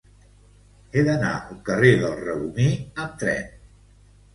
He d'anar al carrer del Regomir amb tren.